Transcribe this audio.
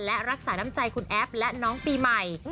และรักษาน้ำใจคุณแอฟและน้องปีใหม่